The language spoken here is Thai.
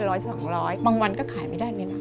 ร้อยสองร้อยบางวันก็ขายไม่ได้เลยนะ